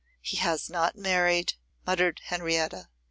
'He has not married!' muttered Henrietta.